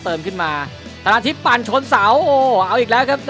เติมขึ้นมาธนาทิพย์ปั่นชนเสาโอ้เอาอีกแล้วครับ